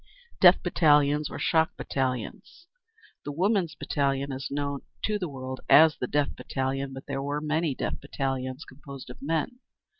Death Battalions. Or Shock Battalions. The Women's Battalion is known to the world as the Death Battalion, but there were many Death Battalions composed of men.